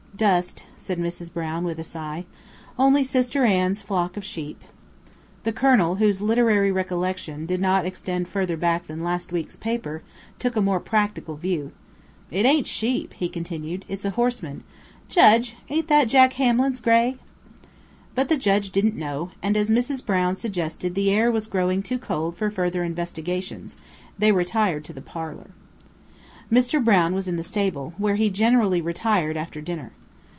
"Dust," said Mrs. Brown, with a sigh. "Only Sister Anne's 'flock of sheep.'" The Colonel, whose literary recollections did not extend farther back than last week's paper, took a more practical view. "It ain't sheep," he continued; "it's a horseman. Judge, ain't that Jack Hamlin's gray?" But the Judge didn't know; and as Mrs. Brown suggested the air was growing too cold for further investigations, they retired to the parlor. Mr. Brown was in the stable, where he generally retired after dinner.